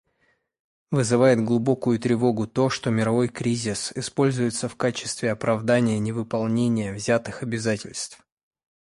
Вызывает глубокую тревогу то, что мировой кризис используется в качестве оправдания невыполнения взятых обязательств.